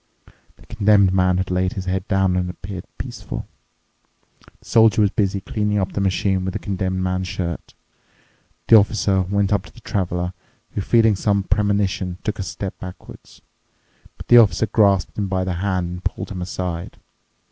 The Condemned Man had laid his head down and appeared peaceful. The Soldier was busy cleaning up the machine with the Condemned Man's shirt. The Officer went up to the Traveler, who, feeling some premonition, took a step backwards. But the Officer grasped him by the hand and pulled him aside.